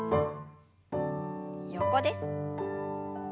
横です。